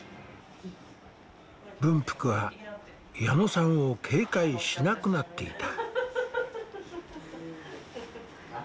文福は矢野さんを警戒しなくなっていた。